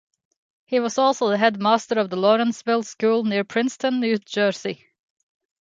He was also the headmaster of The Lawrenceville School near Princeton, New Jersey.